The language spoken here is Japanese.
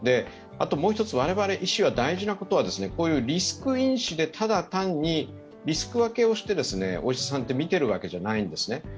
あともう一つ、我々医師は大事なことはリスク因子でただ単にリスク分けをして、お医者さんってみているわけじゃないんですね。